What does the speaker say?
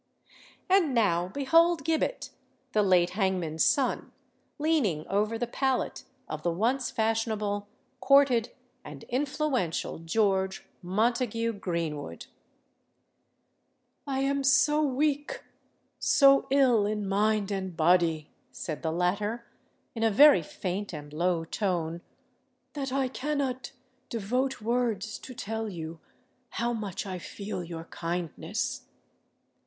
And now behold Gibbet—the late hangman's son—leaning over the pallet of the once fashionable, courted, and influential George Montague Greenwood. "I am so weak—so ill in mind and body," said the latter, in a very faint and low tone, "that I cannot devote words to tell you how much I feel your kindness."